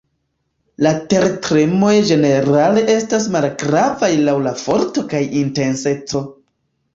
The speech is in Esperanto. La tertremoj ĝenerale estas malgravaj laŭ la forto kaj intenseco.